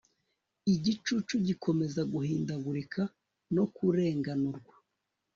Igicucu gikomeza guhindagurika no kurenganurwa